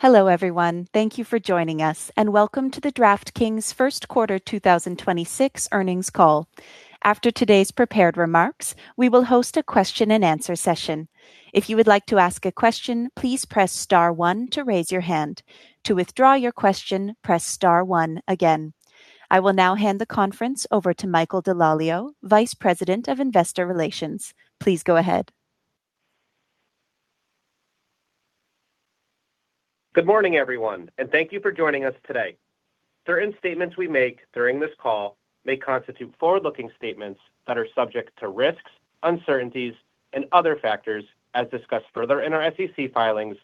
Hello, everyone. Thank you for joining us, welcome to the DraftKings First Quarter 2026 earnings call. After today's prepared remarks, we will host a Q&A session. If you would like to ask a question, please press star one to raise your hand. To withdraw your question, press star one again. I will now hand the conference over to Michael DeLalio, Vice President of Investor Relations. Please go ahead. Good morning, everyone, and thank you for joining us today. Certain statements we make during this call may constitute forward-looking statements that are subject to risks, uncertainties, and other factors as discussed further in our SEC filings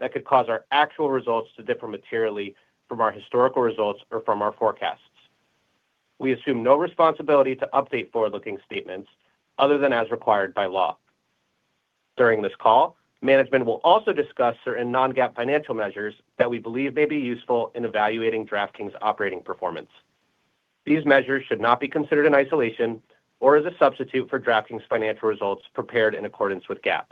that could cause our actual results to differ materially from our historical results or from our forecasts. We assume no responsibility to update forward-looking statements other than as required by law. During this call, management will also discuss certain non-GAAP financial measures that we believe may be useful in evaluating DraftKings' operating performance. These measures should not be considered in isolation or as a substitute for DraftKings' financial results prepared in accordance with GAAP.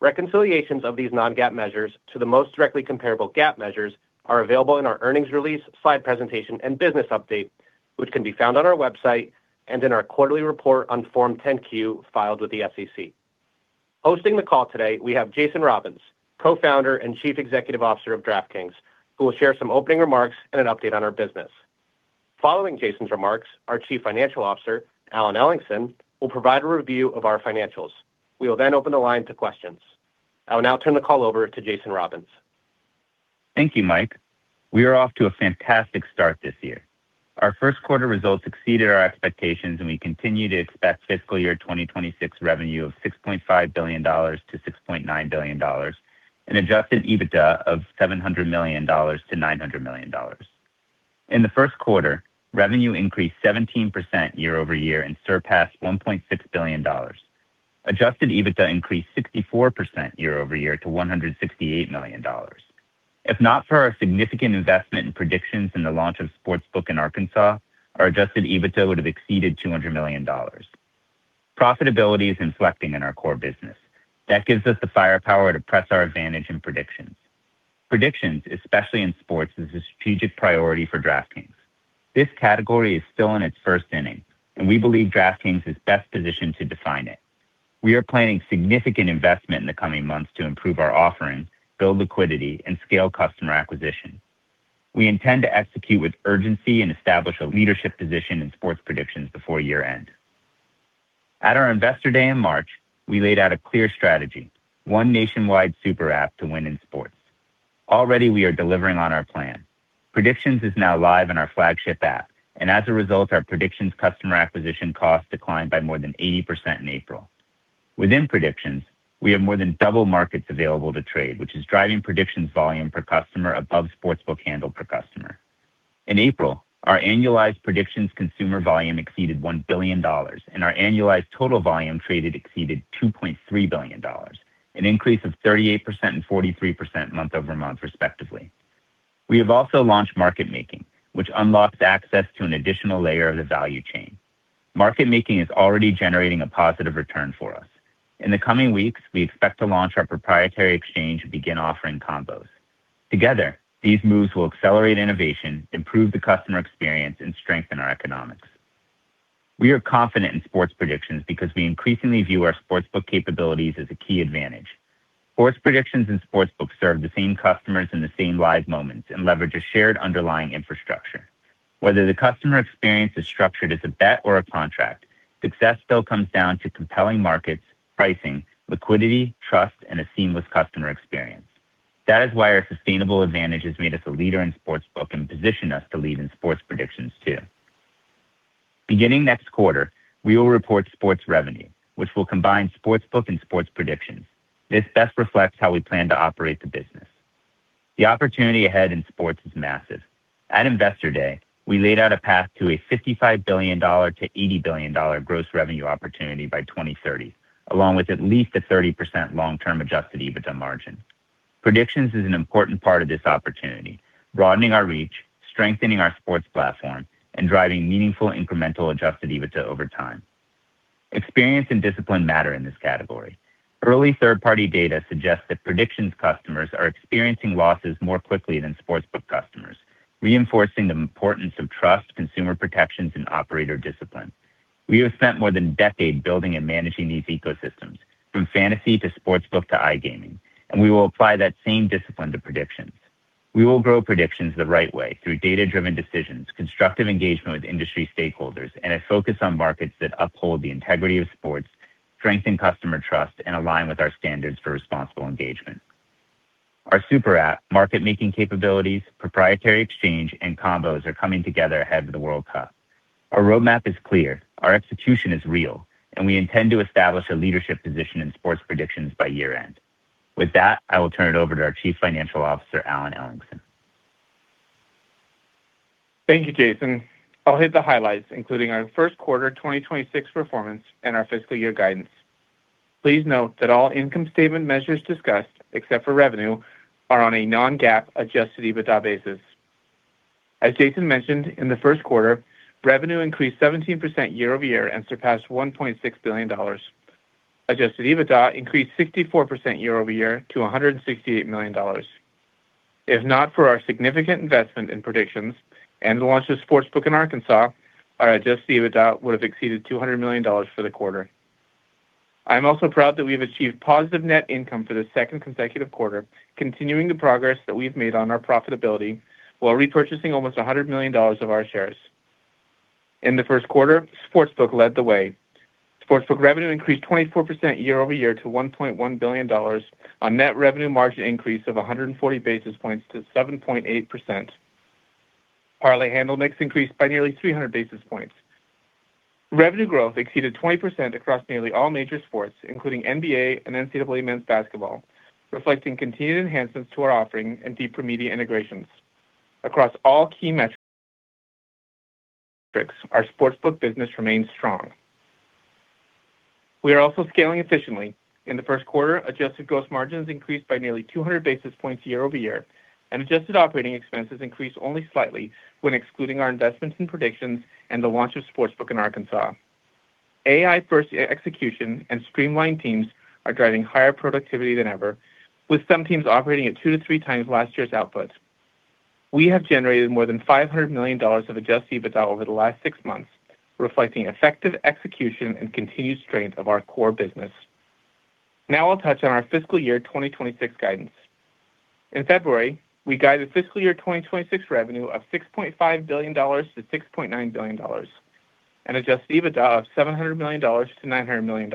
Reconciliations of these non-GAAP measures to the most directly comparable GAAP measures are available in our earnings release, slide presentation, and business update, which can be found on our website and in our quarterly report on Form 10-Q filed with the SEC. Hosting the call today, we have Jason Robins, Co-founder and Chief Executive Officer of DraftKings, who will share some opening remarks and an update on our business. Following Jason's remarks, our Chief Financial Officer, Alan Ellingson, will provide a review of our financials. We will then open the line to questions. I will now turn the call over to Jason Robins. Thank you, Mike. We are off to a fantastic start this year. Our first quarter results exceeded our expectations, and we continue to expect fiscal year 2026 revenue of $6.5 billion-$6.9 billion and adjusted EBITDA of $700 million-$900 million. In the first quarter, revenue increased 17% year-over-year and surpassed $1.6 billion. Adjusted EBITDA increased 64% year-over-year to $168 million. If not for our significant investment in predictions and the launch of Sportsbook in Arkansas, our adjusted EBITDA would have exceeded $200 million. Profitability is inflecting in our core business. That gives us the firepower to press our advantage in predictions. Predictions, especially in sports, is a strategic priority for DraftKings. This category is still in its first inning, and we believe DraftKings is best positioned to define it. We are planning significant investment in the coming months to improve our offering, build liquidity, and scale customer acquisition. We intend to execute with urgency and establish a leadership position in sports predictions before year-end. At our Investor Day in March, we laid out a clear strategy, one nationwide super app to win in sports. Already, we are delivering on our plan. Predictions is now live in our flagship app, and as a result, our predictions customer acquisition costs declined by more than 80% in April. Within predictions, we have more than double markets available to trade, which is driving predictions volume per customer above Sportsbook handle per customer. In April, our annualized predictions consumer volume exceeded $1 billion, and our annualized total volume traded exceeded $2.3 billion, an increase of 38% and 43% month-over-month, respectively. We have also launched market making, which unlocks access to an additional layer of the value chain. Market making is already generating a positive return for us. In the coming weeks, we expect to launch our proprietary exchange and begin offering combos. Together, these moves will accelerate innovation, improve the customer experience, and strengthen our economics. We are confident in sports predictions because we increasingly view our Sportsbook capabilities as a key advantage. Sports predictions and Sportsbook serve the same customers in the same live moments and leverage a shared underlying infrastructure. Whether the customer experience is structured as a bet or a contract, success still comes down to compelling markets, pricing, liquidity, trust, and a seamless customer experience. That is why our sustainable advantage has made us a leader in Sportsbook and positioned us to lead in sports predictions too. Beginning next quarter, we will report sports revenue, which will combine Sportsbook and sports predictions. This best reflects how we plan to operate the business. The opportunity ahead in sports is massive. At Investor Day, we laid out a path to a $55 billion-$80 billion gross revenue opportunity by 2030, along with at least a 30% long-term adjusted EBITDA margin. Predictions is an important part of this opportunity, broadening our reach, strengthening our sports platform, and driving meaningful incremental adjusted EBITDA over time. Experience and discipline matter in this category. Early third-party data suggests that predictions customers are experiencing losses more quickly than Sportsbook customers, reinforcing the importance of trust, consumer protections, and operator discipline. We have spent more than a decade building and managing these ecosystems, from fantasy to Sportsbook to iGaming, and we will apply that same discipline to predictions. We will grow predictions the right way through data-driven decisions, constructive engagement with industry stakeholders, and a focus on markets that uphold the integrity of sports, strengthen customer trust, and align with our standards for responsible engagement. Our super app, market-making capabilities, proprietary exchange, and combos are coming together ahead of the World Cup. Our roadmap is clear, our execution is real, and we intend to establish a leadership position in sports predictions by year-end. With that, I will turn it over to our Chief Financial Officer, Alan Ellingson. Thank you, Jason. I'll hit the highlights, including our first quarter 2026 performance and our fiscal year guidance. Please note that all income statement measures discussed, except for revenue, are on a non-GAAP adjusted EBITDA basis. As Jason mentioned, in the first quarter, revenue increased 17% year-over-year and surpassed $1.6 billion. Adjusted EBITDA increased 64% year-over-year to $168 million. If not for our significant investment in predictions and the launch of Sportsbook in Arkansas, our adjusted EBITDA would have exceeded $200 million for the quarter. I'm also proud that we've achieved positive net income for the second consecutive quarter, continuing the progress that we've made on our profitability while repurchasing almost $100 million of our shares. In the first quarter, Sportsbook led the way. Sportsbook revenue increased 24% year-over-year to $1.1 billion on net revenue margin increase of 140 basis points to 7.8%. Parlay handle mix increased by nearly 300 basis points. Revenue growth exceeded 20% across nearly all major sports, including NBA and NCAA men's basketball, reflecting continued enhancements to our offering and deeper media integrations. Across all key metrics, our Sportsbook business remains strong. We are also scaling efficiently. In the first quarter, adjusted gross margins increased by nearly 200 basis points year-over-year, and adjusted operating expenses increased only slightly when excluding our investments in predictions and the launch of Sportsbook in Arkansas. AI-first execution and streamlined teams are driving higher productivity than ever, with some teams operating at 2 times-3 times last year's output. We have generated more than $500 million of adjusted EBITDA over the last 6 months, reflecting effective execution and continued strength of our core business. Now I'll touch on our fiscal year 2026 guidance. In February, we guided fiscal year 2026 revenue of $6.5 billion-$6.9 billion and adjusted EBITDA of $700 million-$900 million.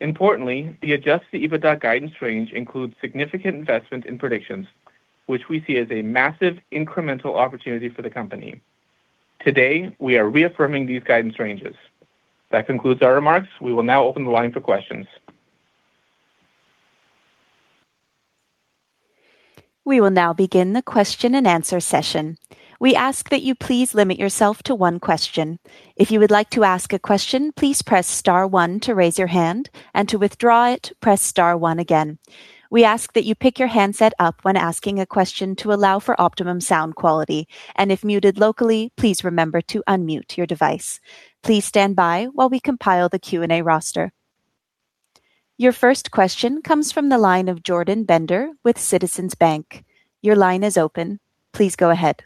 Importantly, the adjusted EBITDA guidance range includes significant investment in predictions, which we see as a massive incremental opportunity for the company. Today, we are reaffirming these guidance ranges. That concludes our remarks. We will now open the line for questions. We will now begin the Q&A session. We ask that you please limit yourself to one question. If you would like to ask a question, please press star one to raise your hand, and to withdraw it, press star one again. We ask that you pick your handset up when asking a question to allow for optimum sound quality, and if muted locally, please remember to unmute your device. Please stand by while we compile the Q&A roster. Your first question comes from the line of Jordan Bender with Citizens Bank. Your line is open. Please go ahead.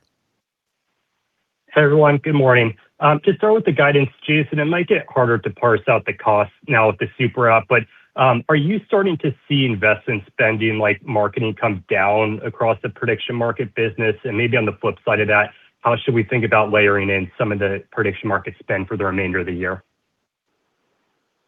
Hey, everyone. Good morning. To start with the guidance, Jason, it might get harder to parse out the cost now with the super app, but are you starting to see investment spending like marketing come down across the prediction market business? Maybe on the flip side of that, how should we think about layering in some of the prediction market spend for the remainder of the year?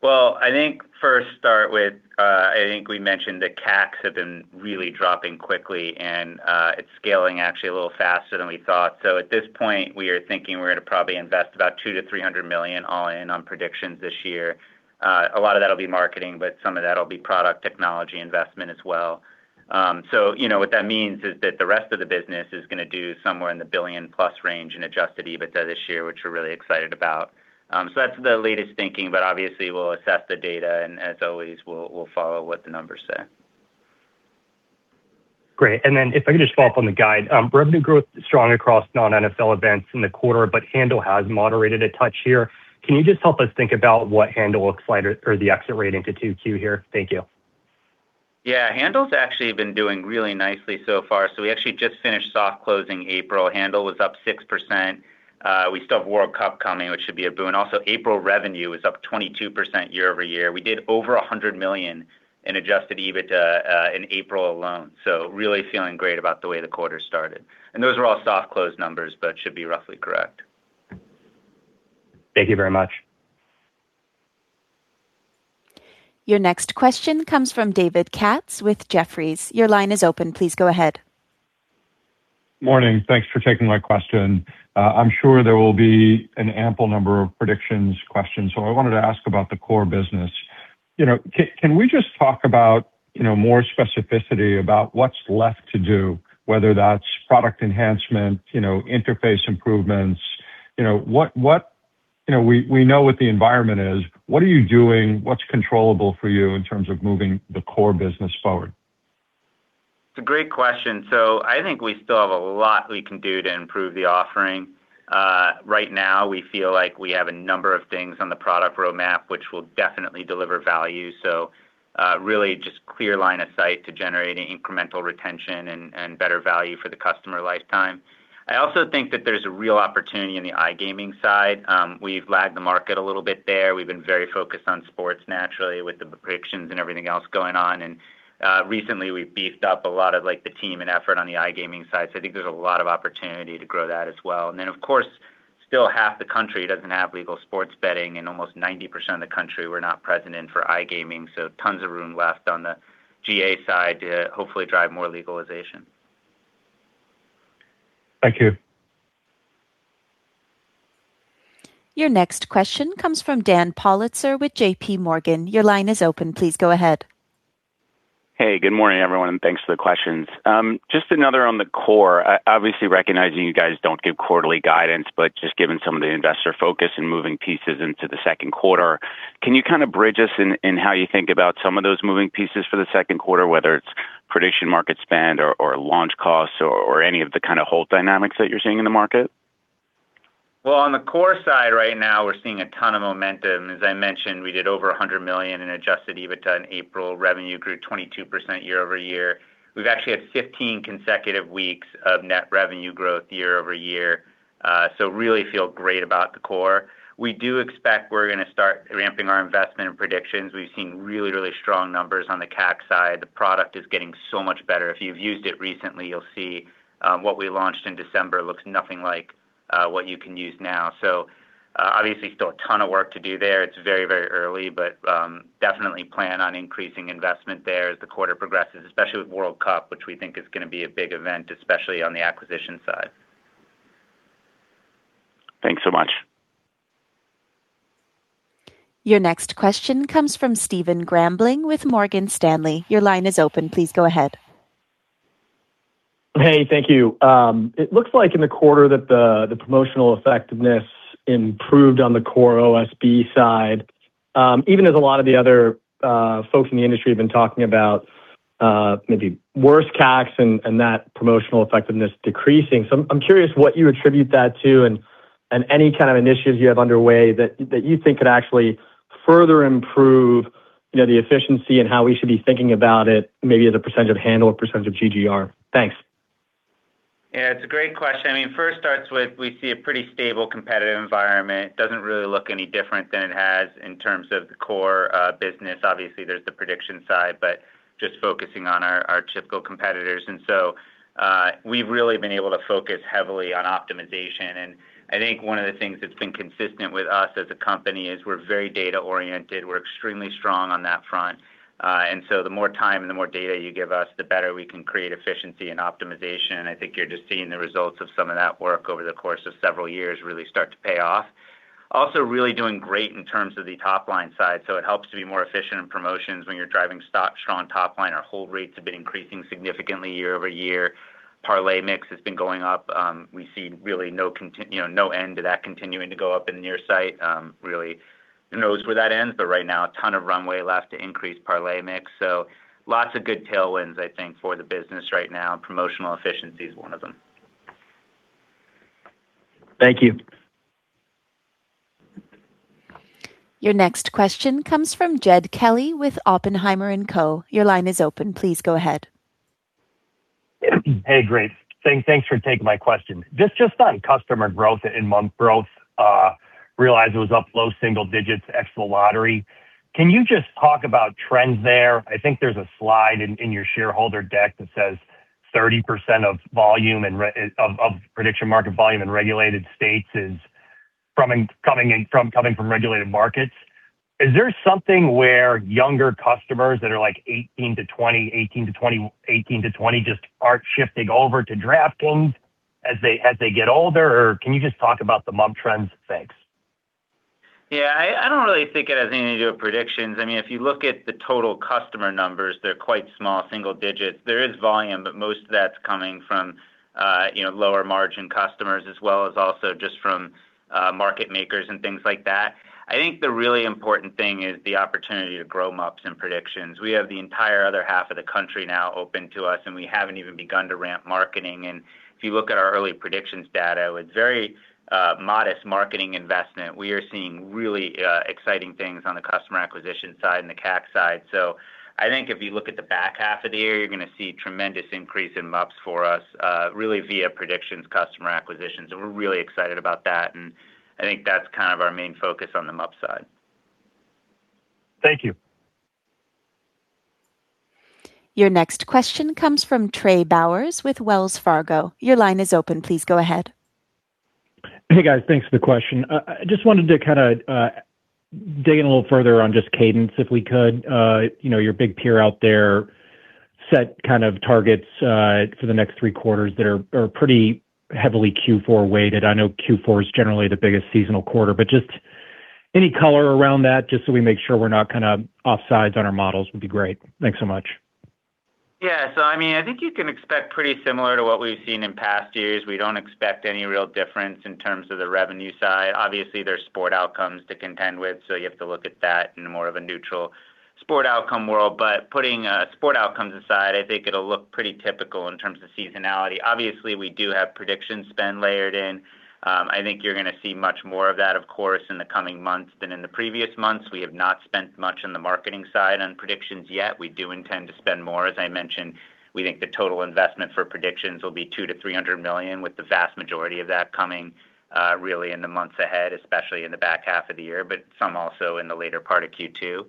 Well, I think first start with, I think we mentioned the CACs have been really dropping quickly, it's scaling actually a little faster than we thought. At this point, we are thinking we're gonna probably invest about $200 million-$300 million all in on Pick6 this year. A lot of that will be marketing, some of that'll be product technology investment as well. You know, what that means is that the rest of the business is gonna do somewhere in the $1 billion plus range in adjusted EBITDA this year, which we're really excited about. That's the latest thinking, obviously we'll assess the data, as always, we'll follow what the numbers say. Great. If I could just follow up on the guide. Revenue growth strong across non-NFL events in the quarter, but handle has moderated a touch here. Can you just help us think about what handle looks like or the exit rate into 2Q here? Thank you. Yeah. Handle's actually been doing really nicely so far. We actually just finished soft closing April. Handle was up 6%. We still have World Cup coming, which should be a boon. Also, April revenue was up 22% year-over-year. We did over $100 million in adjusted EBITDA in April alone. Really feeling great about the way the quarter started. Those are all soft close numbers, but should be roughly correct. Thank you very much. Your next question comes from David Katz with Jefferies. Your line is open. Please go ahead. Morning. Thanks for taking my question. I'm sure there will be an ample number of predictions questions, so I wanted to ask about the core business. You know, can we just talk about, you know, more specificity about what's left to do, whether that's product enhancement, you know, interface improvements? You know, we know what the environment is. What are you doing? What's controllable for you in terms of moving the core business forward? It's a great question. I think we still have a lot we can do to improve the offering. Right now we feel like we have a number of things on the product roadmap which will definitely deliver value. Really just clear line of sight to generating incremental retention and better value for the customer lifetime. I also think that there's a real opportunity in the iGaming side. We've lagged the market a little bit there. We've been very focused on sports naturally with the predictions and everything else going on. Recently we beefed up a lot of the team and effort on the iGaming side, I think there's a lot of opportunity to grow that as well. Of course, still half the country doesn't have legal sports betting, and almost 90% of the country we're not present in for iGaming, so tons of room left on the Georgia side to hopefully drive more legalization. Thank you. Your next question comes from Daniel Politzer with JPMorgan. Your line is open. Please go ahead. Hey, good morning, everyone, and thanks for the questions. Just another on the core. Obviously recognizing you guys don't give quarterly guidance, but just given some of the investor focus in moving pieces into the second quarter. Can you kind of bridge us in how you think about some of those moving pieces for the second quarter, whether it's prediction market spend or launch costs or any of the kind of whole dynamics that you're seeing in the market? On the core side right now, we're seeing a ton of momentum. As I mentioned, we did over $100 million in adjusted EBITDA in April. Revenue grew 22% year-over-year. We've actually had 15 consecutive weeks of net revenue growth year-over-year. Really feel great about the core. We do expect we're gonna start ramping our investment in predictions. We've seen really strong numbers on the CAC side. The product is getting so much better. If you've used it recently, you'll see what we launched in December looks nothing like what you can use now. Obviously, still a ton of work to do there. It's very early, but definitely plan on increasing investment there as the quarter progresses, especially with World Cup, which we think is gonna be a big event, especially on the acquisition side. Thanks so much. Your next question comes from Stephen Grambling with Morgan Stanley. Your line is open. Please go ahead. Hey, thank you. It looks like in the quarter that the promotional effectiveness improved on the core OSB side, even as a lot of the other folks in the industry have been talking about maybe worse CACs and that promotional effectiveness decreasing. I'm curious what you attribute that to and any kind of initiatives you have underway that you think could actually further improve, you know, the efficiency and how we should be thinking about it maybe as a percent of handle or percent of GGR. Thanks. Yeah, it's a great question. I mean, first starts with we see a pretty stable competitive environment. Doesn't really look any different than it has in terms of the core business. Obviously, there's the prediction side, but just focusing on our typical competitors. We've really been able to focus heavily on optimization. I think one of the things that's been consistent with us as a company is we're very data-oriented. We're extremely strong on that front. The more time and the more data you give us, the better we can create efficiency and optimization. I think you're just seeing the results of some of that work over the course of several years really start to pay off. Really doing great in terms of the top-line side, so it helps to be more efficient in promotions when you're driving such strong top line. Our hold rates have been increasing significantly year-over-year. Parlay mix has been going up. We see really no, you know, no end to that continuing to go up in near sight. Really who knows where that ends, but right now, a ton of runway left to increase parlay mix. Lots of good tailwinds, I think, for the business right now, and promotional efficiency is one of them. Thank you. Your next question comes from Jed Kelly with Oppenheimer & Co. Your line is open. Please go ahead. Hey, great. Thanks for taking my question. Just on customer growth and month growth, realize it was up low single digits ex the lottery. Can you just talk about trends there? I think there's a slide in your shareholder deck that says 30% of volume and of prediction market volume in regulated states is coming from regulated markets. Is there something where younger customers that are, like, 18% to 20% just are shifting over to DraftKings as they get older? Can you just talk about the month trends? Thanks. Yeah, I don't really think it has anything to do with Pick6. I mean, if you look at the total customer numbers, they're quite small, single digits. There is volume, but most of that's coming from, you know, lower margin customers as well as also just from market makers and things like that. I think the really important thing is the opportunity to grow MUPs and Pick6. We have the entire other half of the country now open to us, and we haven't even begun to ramp marketing. If you look at our early Pick6 data, with very modest marketing investment, we are seeing really exciting things on the customer acquisition side and the CAC side. I think if you look at the back half of the year, you're gonna see tremendous increase in MUPs for us, really via predictions customer acquisitions, and we're really excited about that. I think that's kind of our main focus on the MUP side. Thank you. Your next question comes from Trey Bowers with Wells Fargo. Your line is open. Please go ahead. Hey, guys. Thanks for the question. I just wanted to kinda dig in a little further on just cadence if we could. You know, your big peer out there set kind of targets for the next three quarters that are pretty heavily Q4 weighted. I know Q4 is generally the biggest seasonal quarter, but just any color around that, just so we make sure we're not kinda offsides on our models would be great. Thanks so much. I mean, I think you can expect pretty similar to what we've seen in past years. We don't expect any real difference in terms of the revenue side. Obviously, there's sport outcomes to contend with, so you have to look at that in more of a neutral sport outcome world. Putting sport outcomes aside, I think it'll look pretty typical in terms of seasonality. Obviously, we do have prediction spend layered in. I think you're gonna see much more of that, of course, in the coming months than in the previous months. We have not spent much on the marketing side on predictions yet. We do intend to spend more. As I mentioned, we think the total investment for predictions will be $200 million-$300 million, with the vast majority of that coming really in the months ahead, especially in the back half of the year, but some also in the later part of Q2.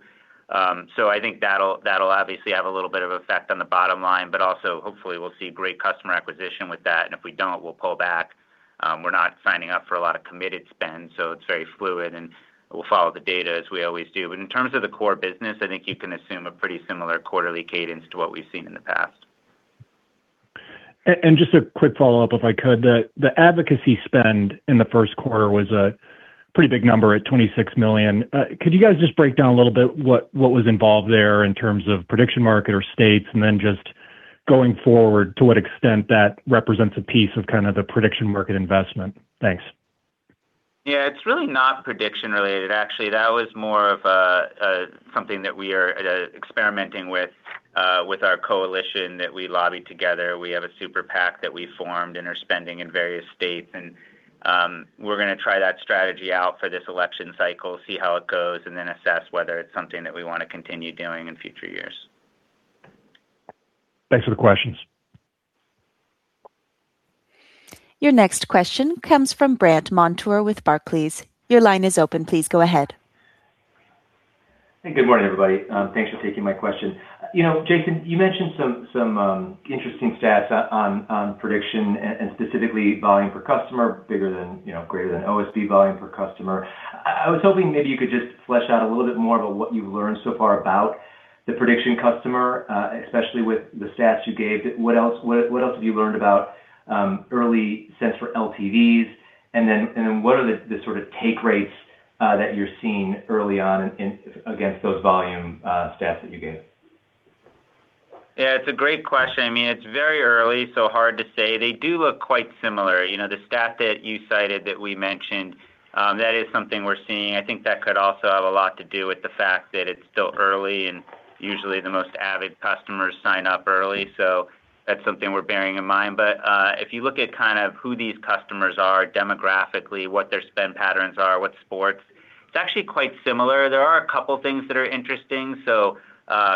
I think that'll obviously have a little bit of effect on the bottom line, but also hopefully we'll see great customer acquisition with that, and if we don't, we'll pull back. We're not signing up for a lot of committed spend, so it's very fluid, and we'll follow the data as we always do. In terms of the core business, I think you can assume a pretty similar quarterly cadence to what we've seen in the past. Just a quick follow-up, if I could. The advocacy spend in the first quarter was a pretty big number at $26 million. Could you guys just break down a little bit what was involved there in terms of prediction market or states? Going forward, to what extent that represents a piece of kind of the prediction market investment? Thanks. Yeah, it's really not prediction related. Actually, that was more of something that we are experimenting with with our coalition that we lobby together. We have a Super PAC that we formed and are spending in various states, and we're gonna try that strategy out for this election cycle, see how it goes, and then assess whether it's something that we wanna continue doing in future years. Thanks Jason. Your next question comes from Brandt Montour with Barclays. Your line is open. Please go ahead. Hey, good morning, everybody. Thanks for taking my question. You know, Jason, you mentioned some interesting stats on Pick6 and specifically volume per customer, bigger than greater than OSB volume per customer. I was hoping maybe you could just flesh out a little bit more about what you've learned so far about the Pick6 customer, especially with the stats you gave. What else have you learned about early sense for LTVs? And then what are the sort of take rates that you're seeing early on in against those volume stats that you gave? It's a great question. I mean, it's very early, so hard to say. They do look quite similar. You know, the stat that you cited that we mentioned, that is something we're seeing. I think that could also have a lot to do with the fact that it's still early and usually the most avid customers sign up early. That's something we're bearing in mind. If you look at kind of who these customers are demographically, what their spend patterns are, what sports, it's actually quite similar. There are a couple things that are interesting.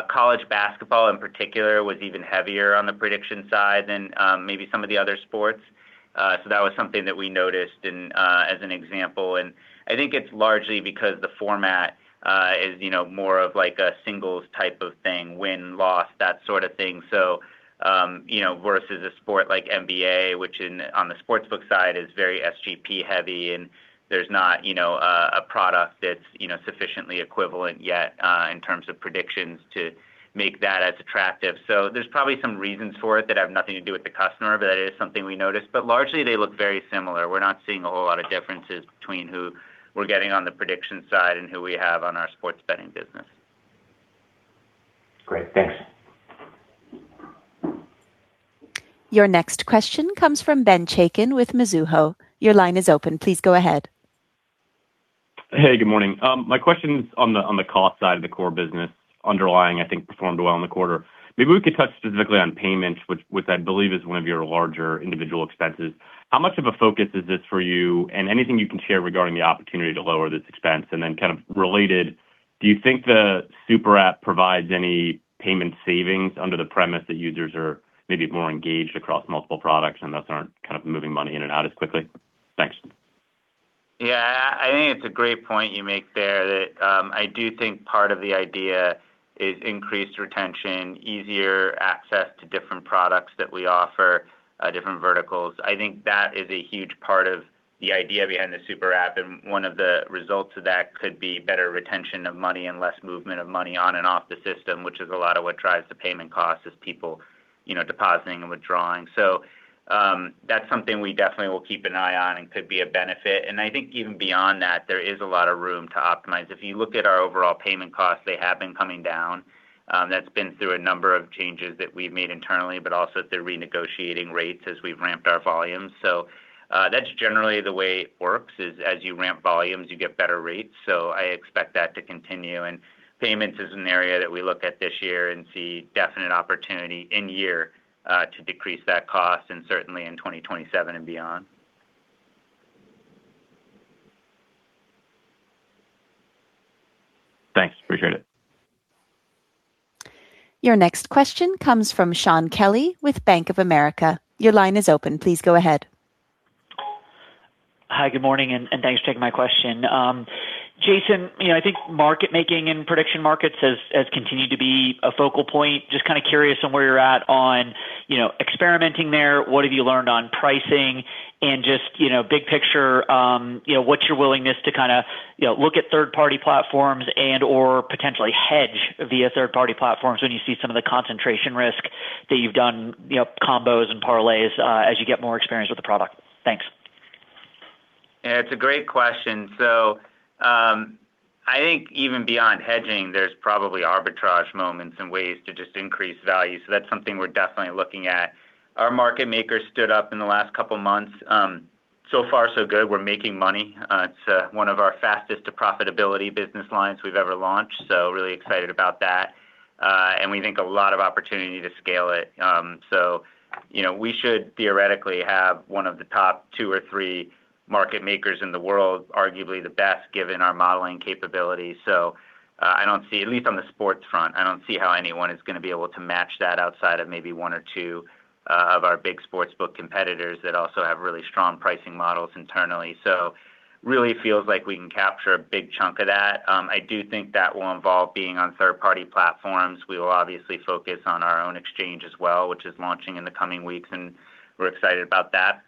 College basketball, in particular, was even heavier on the prediction side than maybe some of the other sports. That was something that we noticed in as an example. I think it's largely because the format is, you know, more of like a singles type of thing, win, loss, that sort of thing, so, you know, versus a sport like NBA, which in, on the sportsbook side is very SGP heavy, and there's not, you know, a product that's, you know, sufficiently equivalent yet in terms of predictions to make that as attractive. There's probably some reasons for it that have nothing to do with the customer, but that is something we noticed. Largely, they look very similar. We're not seeing a whole lot of differences between who we're getting on the prediction side and who we have on our sports betting business. Great. Thanks. Your next question comes from Ben Chaiken with Mizuho. Your line is open. Please go ahead. Hey, good morning. My question is on the cost side of the core business. Underlying, I think, performed well in the quarter. Maybe we could touch specifically on payments, which I believe is one of your larger individual expenses. How much of a focus is this for you, and anything you can share regarding the opportunity to lower this expense? Kind of related, do you think the super app provides any payment savings under the premise that users are maybe more engaged across multiple products and, thus, aren't kind of moving money in and out as quickly? Thanks. Yeah. I think it's a great point you make there that I do think part of the idea is increased retention, easier access to different products that we offer, different verticals. I think that is a huge part of the idea behind the super app, one of the results of that could be better retention of money and less movement of money on and off the system, which is a lot of what drives the payment costs is people, you know, depositing and withdrawing. That's something we definitely will keep an eye on and could be a benefit. I think even beyond that, there is a lot of room to optimize. If you look at our overall payment costs, they have been coming down. That's been through a number of changes that we've made internally, but also through renegotiating rates as we've ramped our volumes. That's generally the way it works is, as you ramp volumes, you get better rates. I expect that to continue. Payments is an area that we look at this year and see definite opportunity in year to decrease that cost and certainly in 2027 and beyond. Thanks. Appreciate it. Your next question comes from Shaun Kelley with Bank of America. Your line is open. Please go ahead. Hi, good morning, and thanks for taking my question. Jason, you know, I think market making and prediction markets has continued to be a focal point. Just kinda curious on where you're at on, you know, experimenting there. What have you learned on pricing? Just, you know, big picture, you know, what's your willingness to kinda, you know, look at third-party platforms and/or potentially hedge via third-party platforms when you see some of the concentration risk that you've done, you know, combos and parlays, as you get more experience with the product? Thanks. Yeah, it's a great question. I think even beyond hedging, there's probably arbitrage moments and ways to just increase value. That's something we're definitely looking at. Our market makers stood up in the last couple months. So far so good. We're making money. It's one of our fastest to profitability business lines we've ever launched, so really excited about that. And we think a lot of opportunity to scale it. You know, we should theoretically have one of the top two or three market makers in the world, arguably the best, given our modeling capabilities. I don't see, at least on the sports front, I don't see how anyone is gonna be able to match that outside of maybe one or two of our big sportsbook competitors that also have really strong pricing models internally. Really feels like we can capture a big chunk of that. I do think that will involve being on third-party platforms. We will obviously focus on our own exchange as well, which is launching in the coming weeks, and we're excited about that.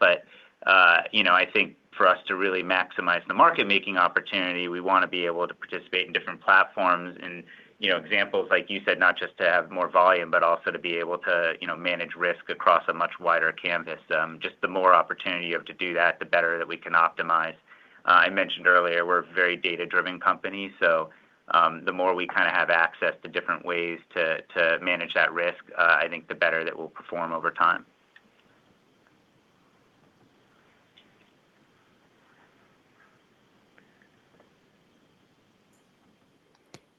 You know, I think for us to really maximize the market-making opportunity, we wanna be able to participate in different platforms and, you know, examples, like you said, not just to have more volume, but also to be able to, you know, manage risk across a much wider canvas. Just the more opportunity you have to do that, the better that we can optimize. I mentioned earlier, we're a very data-driven company, so, the more we kinda have access to different ways to manage that risk, I think the better that we'll perform over time.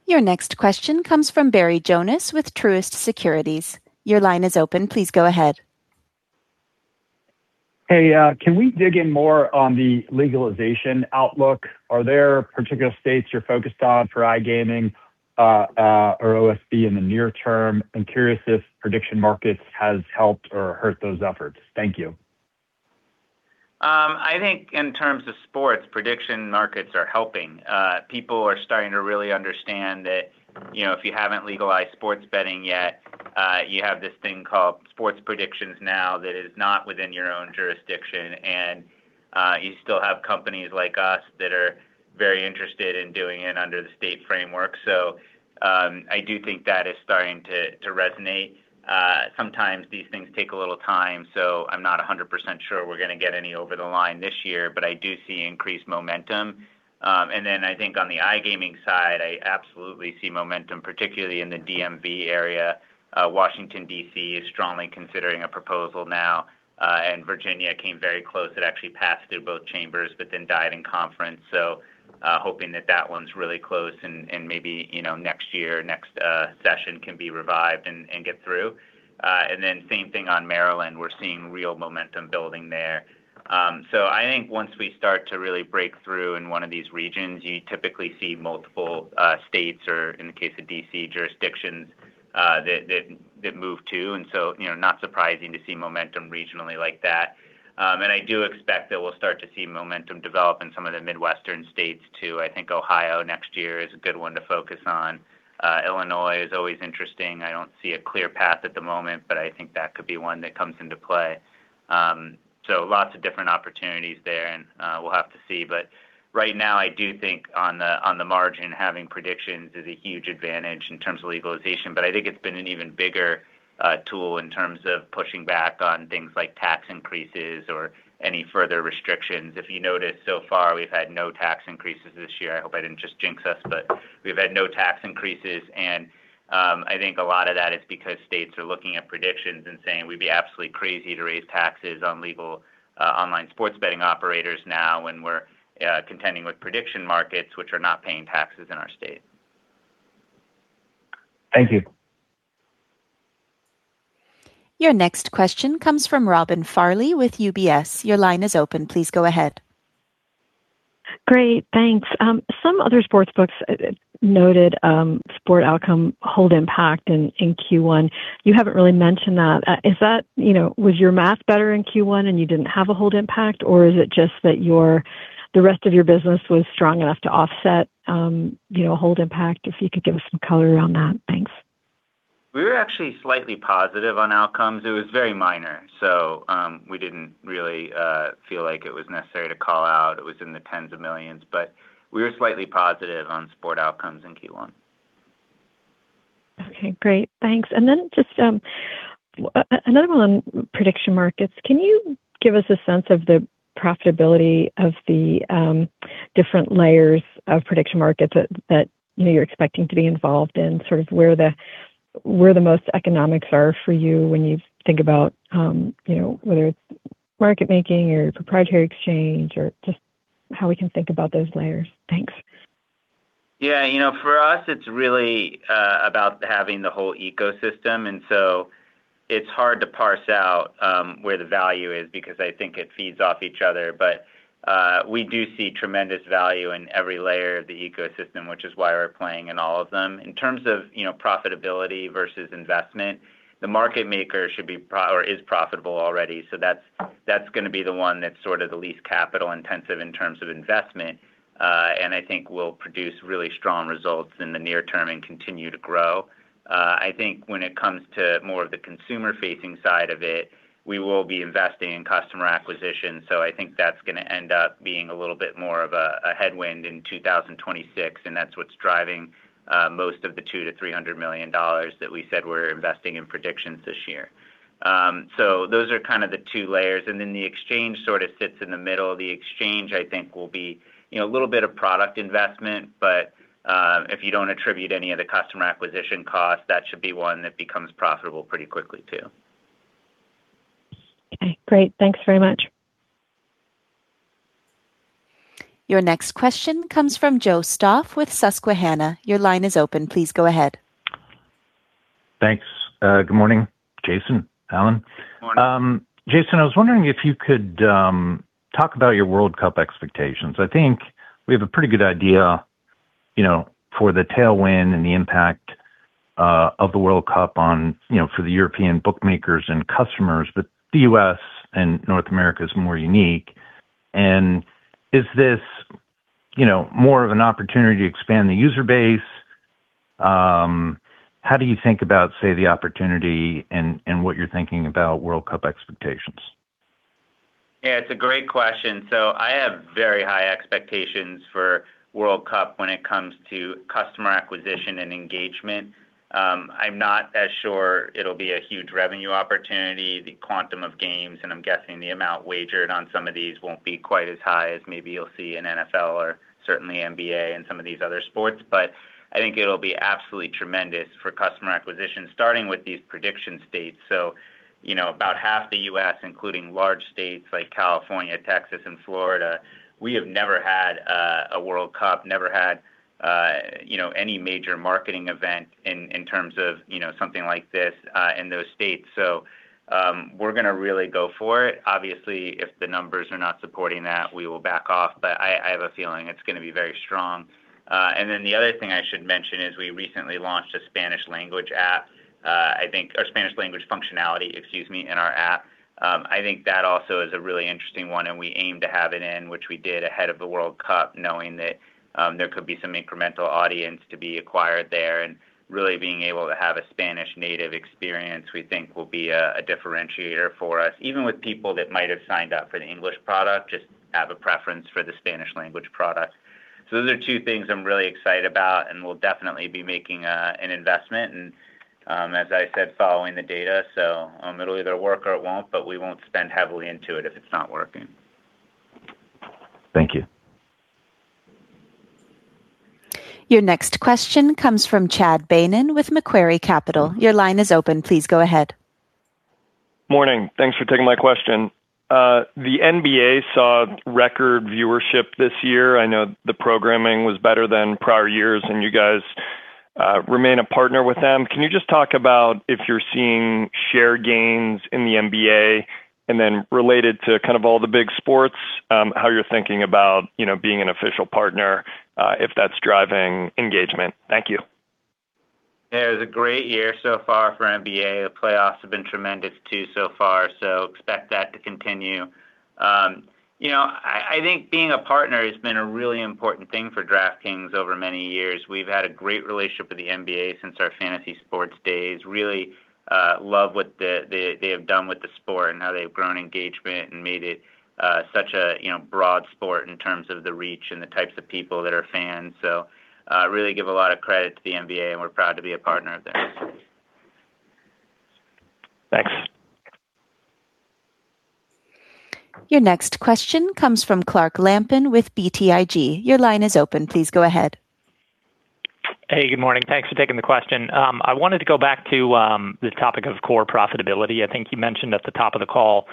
Your next question comes from Barry Jonas with Truist Securities. Your line is open. Please go ahead. Hey. Can we dig in more on the legalization outlook? Are there particular states you're focused on for iGaming or OSB in the near term? I'm curious if prediction markets has helped or hurt those efforts. Thank you. I think in terms of sports, prediction markets are helping. People are starting to really understand that, you know, if you haven't legalized sports betting yet, you have this thing called sports predictions now that is not within your own jurisdiction, and you still have companies like us that are very interested in doing it under the state framework. I do think that is starting to resonate. Sometimes these things take a little time, so I'm not 100% sure we're gonna get any over the line this year, but I do see increased momentum. I think on the iGaming side, I absolutely see momentum, particularly in the DMV area. Washington D.C. is strongly considering a proposal now. Virginia came very close. It actually passed through both chambers but then died in conference. Hoping that that one's really close and maybe, you know, next year, next session can be revived and get through. Same thing on Maryland. We're seeing real momentum building there. I think once we start to really break through in one of these regions, you typically see multiple states, or in the case of D.C., jurisdictions that move too. You know, not surprising to see momentum regionally like that. I do expect that we'll start to see momentum develop in some of the Midwestern states too. I think Ohio next year is a good one to focus on. Illinois is always interesting. I don't see a clear path at the moment, but I think that could be one that comes into play. Lots of different opportunities there, and we'll have to see. Right now, I do think on the margin, having predictions is a huge advantage in terms of legalization, but I think it's been an even bigger tool in terms of pushing back on things like tax increases or any further restrictions. If you noticed so far, we've had no tax increases this year. I hope I didn't just jinx us, but we've had no tax increases. I think a lot of that is because states are looking at predictions and saying, "We'd be absolutely crazy to raise taxes on legal online sports betting operators now when we're contending with prediction markets which are not paying taxes in our state. Thank you. Your next question comes from Robin Farley with UBS. Your line is open. Please go ahead. Great. Thanks. Some other sportsbooks noted sport outcome hold impact in Q1. You haven't really mentioned that. You know, was your math better in Q1 and you didn't have a hold impact, or is it just that your, the rest of your business was strong enough to offset, you know, hold impact? If you could give us some color on that. Thanks. We were actually slightly positive on outcomes. It was very minor. We didn't really feel like it was necessary to call out. It was in the $ tens of millions. We were slightly positive on sport outcomes in Q1. Okay. Great. Thanks. Just another one on prediction markets. Can you give us a sense of the profitability of the different layers of prediction markets that, you know, you're expecting to be involved in, sort of where the, where the most economics are for you when you think about, you know, whether it's market making or proprietary exchange or just how we can think about those layers? Thanks. Yeah. You know, for us, it's really about having the whole ecosystem. It's hard to parse out where the value is because I think it feeds off each other. We do see tremendous value in every layer of the ecosystem, which is why we're playing in all of them. In terms of, you know, profitability versus investment, the market maker should be or is profitable already, that's gonna be the one that's sort of the least capital intensive in terms of investment, and I think will produce really strong results in the near term and continue to grow. I think when it comes to more of the consumer-facing side of it, we will be investing in customer acquisition, so I think that's gonna end up being a little bit more of a headwind in 2026, and that's what's driving most of the $200 million-$300 million that we said we're investing in Pick6 this year. Those are kind of the two layers. The exchange sort of sits in the middle. The exchange, I think, will be, you know, a little bit of product investment, but if you don't attribute any of the customer acquisition costs, that should be one that becomes profitable pretty quickly too. Okay. Great. Thanks very much. Your next question comes from Joe Stauff with Susquehanna. Your line is open. Please go ahead. Thanks. Good morning, Jason, Alan. Morning. Jason, I was wondering if you could talk about your World Cup expectations. I think we have a pretty good idea, you know, for the tailwind and the impact of the World Cup on, you know, for the European bookmakers and customers, but the U.S. and North America is more unique. Is this, you know, more of an opportunity to expand the user base? How do you think about, say, the opportunity and what you're thinking about World Cup expectations? Yeah, it's a great question. I have very high expectations for World Cup when it comes to customer acquisition and engagement. I'm not as sure it'll be a huge revenue opportunity. The quantum of games, and I'm guessing the amount wagered on some of these won't be quite as high as maybe you'll see in NFL or certainly NBA and some of these other sports. I think it'll be absolutely tremendous for customer acquisition, starting with these prediction states. You know, about half the U.S., including large states like California, Texas, and Florida, we have never had a World Cup, never had, you know, any major marketing event in terms of, you know, something like this, in those states. We're gonna really go for it. Obviously, if the numbers are not supporting that, we will back off. I have a feeling it's gonna be very strong. The other thing I should mention is we recently launched a Spanish language app. Spanish language functionality, excuse me, in our app. I think that also is a really interesting one, and we aim to have it in, which we did ahead of the World Cup, knowing that there could be some incremental audience to be acquired there. Really being able to have a Spanish native experience, we think will be a differentiator for us, even with people that might have signed up for the English product, just have a preference for the Spanish language product. Those are two things I'm really excited about, and we'll definitely be making an investment. As I said, following the data, so, it'll either work or it won't, but we won't spend heavily into it if it's not working. Thank you. Your next question comes from Chad Beynon with Macquarie Capital. Your line is open. Please go ahead. Morning. Thanks for taking my question. The NBA saw record viewership this year. I know the programming was better than prior years, and you guys remain a partner with them. Can you just talk about if you're seeing share gains in the NBA, and related to kind of all the big sports, how you're thinking about, you know, being an official partner, if that's driving engagement? Thank you. It was a great year so far for NBA. The playoffs have been tremendous too so far, so expect that to continue. I think being a partner has been a really important thing for DraftKings over many years. We've had a great relationship with the NBA since our fantasy sports days. Really love what they have done with the sport and how they've grown engagement and made it such a, you know, broad sport in terms of the reach and the types of people that are fans. Really give a lot of credit to the NBA, and we're proud to be a partner of theirs. Thanks. Your next question comes from Clark Lampen with BTIG. Your line is open. Please go ahead. Hey, good morning. Thanks for taking the question. I wanted to go back to the topic of core profitability. I think you mentioned at the top of the call,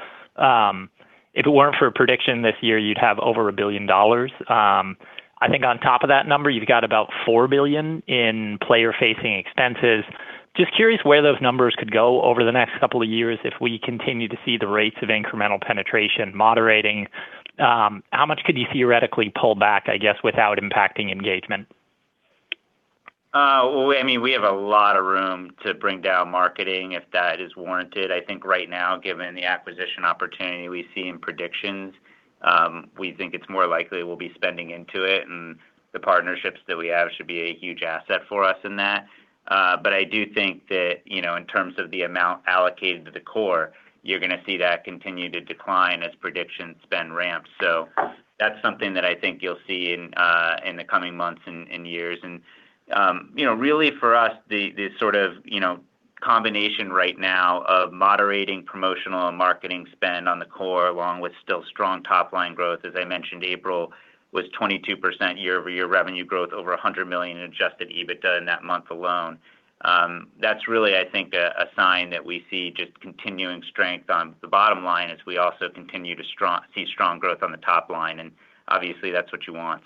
if it weren't for prediction this year, you'd have over $1 billion. I think on top of that number, you've got about $4 billion in player-facing expenses. Just curious where those numbers could go over the next couple of years if we continue to see the rates of incremental penetration moderating. How much could you theoretically pull back, I guess, without impacting engagement? Well, I mean, we have a lot of room to bring down marketing if that is warranted. I think right now, given the acquisition opportunity we see in predictions, we think it's more likely we'll be spending into it, and the partnerships that we have should be a huge asset for us in that. But I do think that, you know, in terms of the amount allocated to the core, you're gonna see that continue to decline as prediction spend ramps. That's something that I think you'll see in the coming months and years. You know, really for us, the sort of, you know, combination right now of moderating promotional and marketing spend on the core, along with still strong top-line growth. As I mentioned, April was 22% year-over-year revenue growth, over $100 million in adjusted EBITDA in that month alone. That's really, I think a sign that we see just continuing strength on the bottom line as we also continue to see strong growth on the top line. Obviously that's what you want.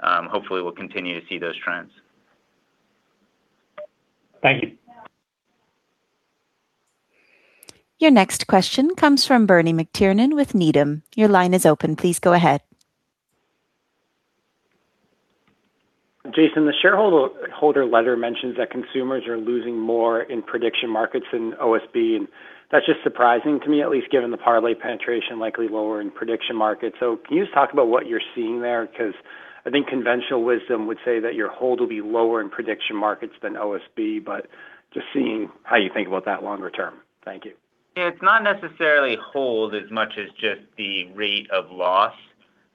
Hopefully we'll continue to see those trends. Thank you. Your next question comes from Bernie McTernan with Needham. Your line is open. Please go ahead. Jason, the shareholder letter mentions that consumers are losing more in prediction markets than OSB, and that's just surprising to me, at least given the parlay penetration likely lower in prediction markets. Can you just talk about what you're seeing there? Because I think conventional wisdom would say that your hold will be lower in prediction markets than OSB, but just seeing how you think about that longer term. Thank you. It's not necessarily hold as much as just the rate of loss.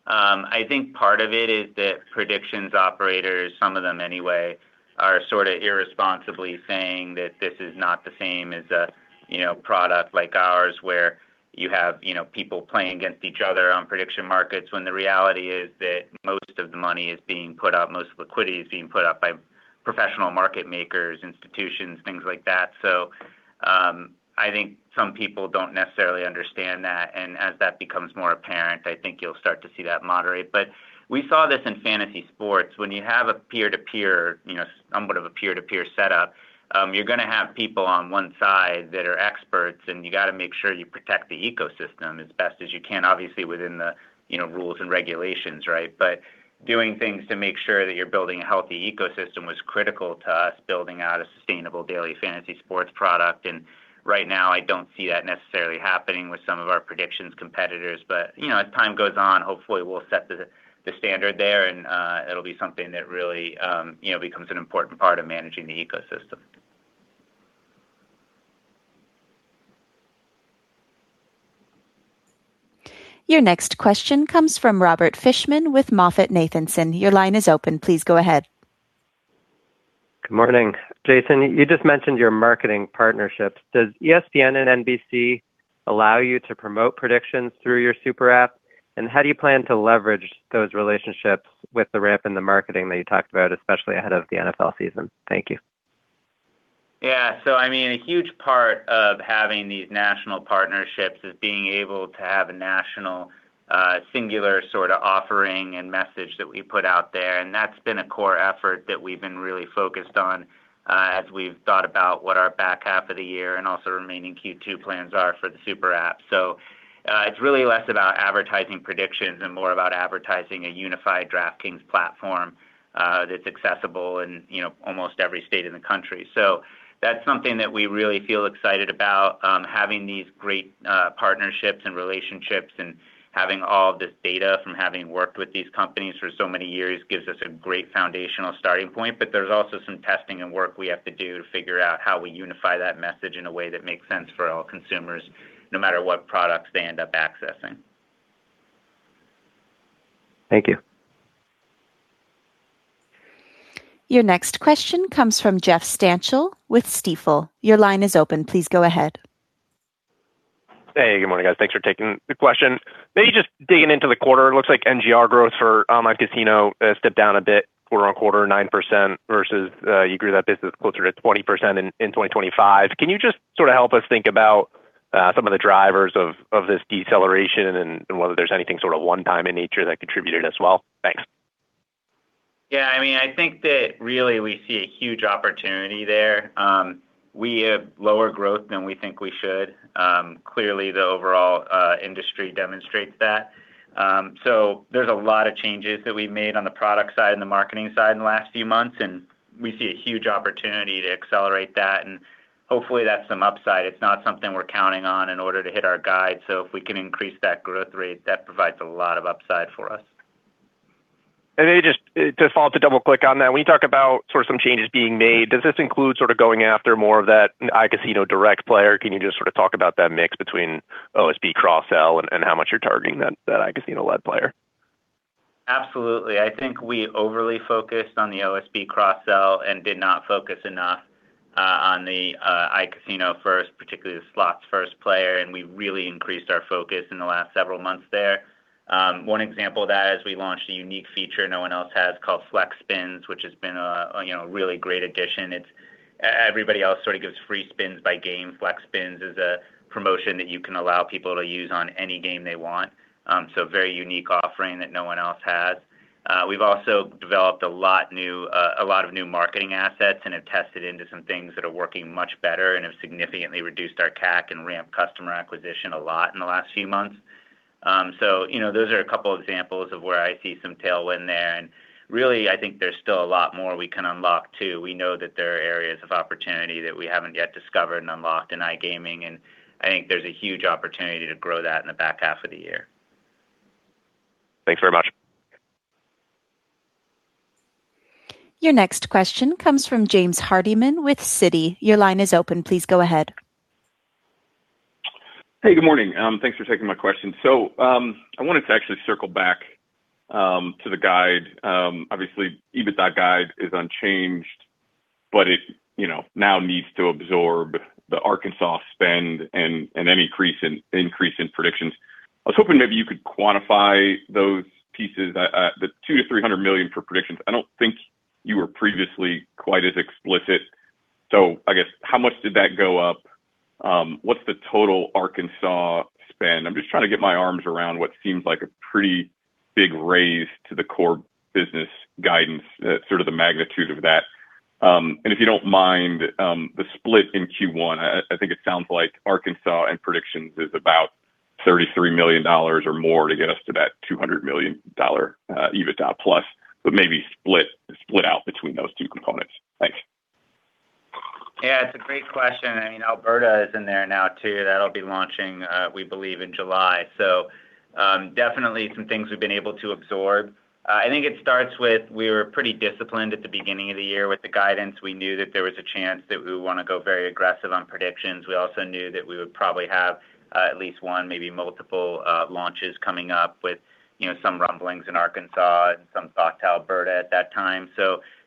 I think part of it is that predictions operators, some of them anyway, are sorta irresponsibly saying that this is not the same as a, you know, product like ours, where you have, you know, people playing against each other on prediction markets, when the reality is that most of the money is being put up, most liquidity is being put up by professional market makers, institutions, things like that. I think some people don't necessarily understand that, and as that becomes more apparent, I think you'll start to see that moderate. We saw this in fantasy sports. When you have a peer-to-peer, you know, somewhat of a peer-to-peer setup, you're gonna have people on one side that are experts, and you gotta make sure you protect the ecosystem as best as you can, obviously within the, you know, rules and regulations, right? Doing things to make sure that you're building a healthy ecosystem was critical to us building out a sustainable daily fantasy sports product. Right now, I don't see that necessarily happening with some of our predictions competitors. You know, as time goes on, hopefully we'll set the standard there and it'll be something that really, you know, becomes an important part of managing the ecosystem. Your next question comes from Robert Fishman with MoffettNathanson. Your line is open. Please go ahead. Good morning. Jason, you just mentioned your marketing partnerships. Does ESPN and NBC allow you to promote predictions through your super app? How do you plan to leverage those relationships with the ramp and the marketing that you talked about, especially ahead of the NFL season? Thank you. Yeah. I mean, a huge part of having these national partnerships is being able to have a national, singular sort of offering and message that we put out there. And that's been a core effort that we've been really focused on, as we've thought about what our back half of the year and also remaining Q2 plans are for the super app. It's really less about advertising predictions and more about advertising a unified DraftKings platform, that's accessible in, you know, almost every state in the country. That's something that we really feel excited about, having these great partnerships and relationships and having all of this data from having worked with these companies for so many years gives us a great foundational starting point. There's also some testing and work we have to do to figure out how we unify that message in a way that makes sense for all consumers, no matter what products they end up accessing. Thank you. Your next question comes from Jeff Stantial with Stifel. Your line is open. Please go ahead. Hey. Good morning, guys. Thanks for taking the question. Maybe just digging into the quarter, it looks like NGR growth for iCasino stepped down a bit quarter-on-quarter, 9% versus you grew that business closer to 20% in 2025. Can you just sort of help us think about some of the drivers of this deceleration and whether there's anything sort of one-time in nature that contributed as well? Thanks. Yeah, I mean, I think that really we see a huge opportunity there. We have lower growth than we think we should. Clearly, the overall industry demonstrates that. There's a lot of changes that we've made on the product side and the marketing side in the last few months, and we see a huge opportunity to accelerate that, and hopefully that's some upside. It's not something we're counting on in order to hit our guide. If we can increase that growth rate, that provides a lot of upside for us. Maybe just follow up to double-click on that. When you talk about sort of some changes being made, does this include sort of going after more of that iCasino direct player? Can you just sort of talk about that mix between OSB cross-sell and how much you're targeting that iCasino-led player? Absolutely. I think we overly focused on the OSB cross-sell and did not focus enough on the iCasino-first, particularly the slots-first player, and we really increased our focus in the last several months there. One example of that is we launched a unique feature no one else has called Flex Spins, which has been a, you know, really great addition. Everybody else sort of gives free spins by game. Flex Spins is a promotion that you can allow people to use on any game they want. So very unique offering that no one else has. We've also developed a lot new, a lot of new marketing assets and have tested into some things that are working much better and have significantly reduced our CAC and ramp customer acquisition a lot in the last few months. You know, those are a couple examples of where I see some tailwind there. I think there's still a lot more we can unlock too. We know that there are areas of opportunity that we haven't yet discovered and unlocked in iGaming, and I think there's a huge opportunity to grow that in the back half of the year. Thanks very much. Your next question comes from James Hardiman with Citi. Your line is open. Please go ahead. Hey, good morning. Thanks for taking my question. I wanted to actually circle back to the guide. Obviously, EBITDA guide is unchanged, but it, you know, now needs to absorb the Arkansas spend and any increase in predictions. I was hoping maybe you could quantify those pieces. The $200 million-$300 million for predictions, I don't think you were previously quite as explicit. I guess, how much did that go up? What's the total Arkansas spend? I'm just trying to get my arms around what seems like a pretty big raise to the core business guidance, sort of the magnitude of that. If you don't mind, the split in Q1, I think it sounds like Arkansas and predictions is about $33 million or more to get us to that $200 million EBITDA plus, but maybe split out between those two components. Thanks. Yeah, it's a great question. I mean, Alberta is in there now too. That'll be launching, we believe in July. Definitely some things we've been able to absorb. I think it starts with we were pretty disciplined at the beginning of the year with the guidance. We knew that there was a chance that we would wanna go very aggressive on predictions. We also knew that we would probably have, at least 1, maybe multiple, launches coming up with, you know, some rumblings in Arkansas and some thought to Alberta at that time.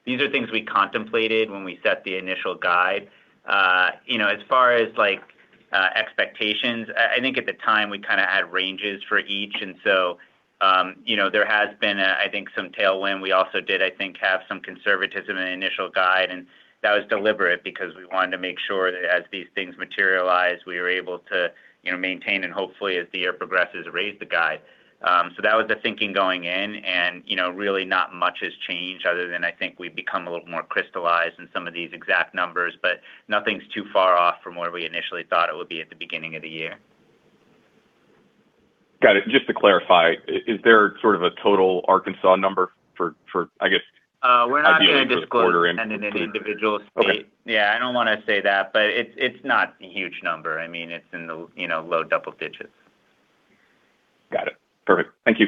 These are things we contemplated when we set the initial guide. You know, as far as, like, expectations, I think at the time we kinda had ranges for each. You know, there has been, I think, some tailwind. We also did, I think, have some conservatism in the initial guide, and that was deliberate because we wanted to make sure that as these things materialized, we were able to, you know, maintain and hopefully as the year progresses, raise the guide. That was the thinking going in and, you know, really not much has changed other than I think we've become a little more crystallized in some of these exact numbers, but nothing's too far off from where we initially thought it would be at the beginning of the year. Got it. Just to clarify, is there sort of a total Arkansas number for? Uh, we're not gonna disclose- Ideally for the quarter end. spend in any individual state. Okay. Yeah, I don't wanna say that, but it's not a huge number. I mean, it's in the, you know, low double digits. Got it. Perfect. Thank you.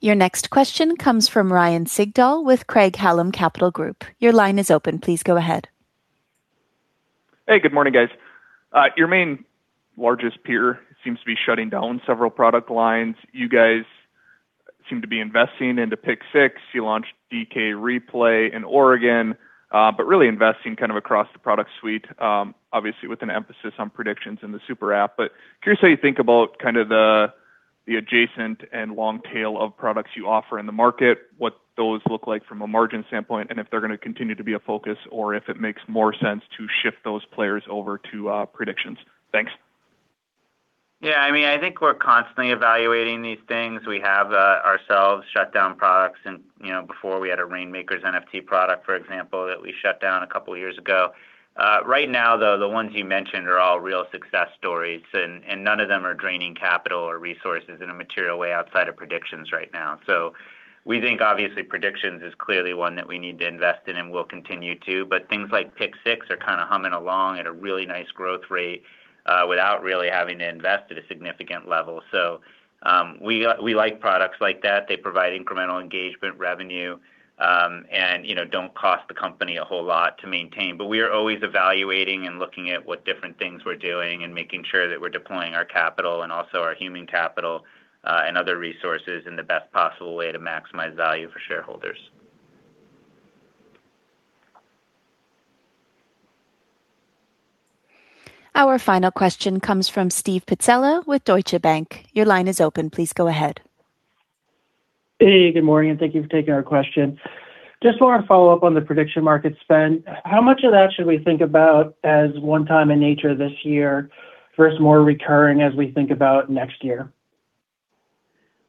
Your next question comes from Ryan Sigdahl with Craig-Hallum Capital Group. Your line is open. Please go ahead. Hey, good morning, guys. Your main largest peer seems to be shutting down several product lines. You guys seem to be investing into Pick6. You launched DK Replay in Oregon, but really investing kind of across the product suite, obviously with an emphasis on predictions in the super app. Curious how you think about kind of the adjacent and long tail of products you offer in the market, what those look like from a margin standpoint, and if they're gonna continue to be a focus or if it makes more sense to shift those players over to predictions. Thanks. Yeah, I mean, I think we're constantly evaluating these things. We have ourselves shut down products and, you know, before we had a Reignmakers NFT product, for example, that we shut down a couple years ago. Right now, though, the ones you mentioned are all real success stories and none of them are draining capital or resources in a material way outside of predictions right now. We think obviously predictions is clearly one that we need to invest in and will continue to, but things like Pick6 are kinda humming along at a really nice growth rate without really having to invest at a significant level. We like products like that. They provide incremental engagement revenue and, you know, don't cost the company a whole lot to maintain. We are always evaluating and looking at what different things we're doing and making sure that we're deploying our capital and also our human capital and other resources in the best possible way to maximize value for shareholders. Our final question comes from Carlo Santarelli with Deutsche Bank. Your line is open. Please go ahead. Hey, good morning, and thank you for taking our question. Just want to follow up on the prediction market spend. How much of that should we think about as one time in nature this year versus more recurring as we think about next year?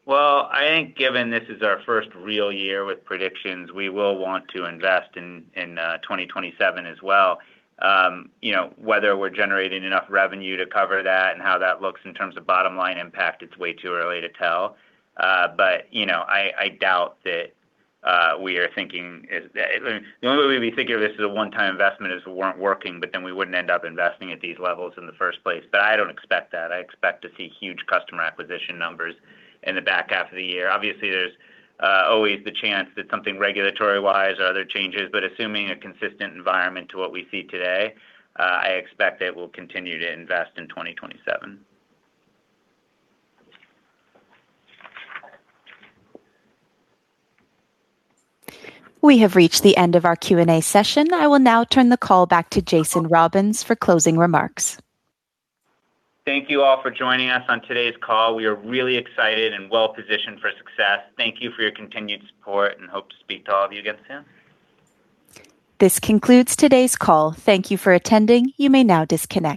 Well, I think given this is our first real year with predictions, we will want to invest in 2027 as well. You know, whether we're generating enough revenue to cover that and how that looks in terms of bottom line impact, it's way too early to tell. You know, I doubt that the only way we think of this as a one-time investment is if it weren't working, but then we wouldn't end up investing at these levels in the first place. I don't expect that. I expect to see huge customer acquisition numbers in the back half of the year. Obviously, there's always the chance that something regulatory-wise or other changes, but assuming a consistent environment to what we see today, I expect that we'll continue to invest in 2027. We have reached the end of our Q&A session. I will now turn the call back to Jason Robins for closing remarks. Thank you all for joining us on today's call. We are really excited and well-positioned for success. Thank you for your continued support and hope to speak to all of you again soon. This concludes today's call. Thank you for attending. You may now disconnect.